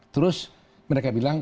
terus mereka bilang